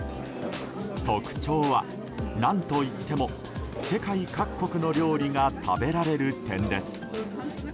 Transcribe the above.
特徴は、何といっても世界各国の料理が食べられる点です。